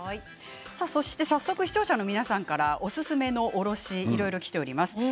視聴者の皆さんからおすすめのおろしいろいろきています。